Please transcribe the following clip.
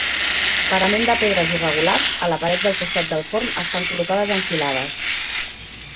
Parament de pedres irregulars, a la paret del costat del forn estan col·locades en filades.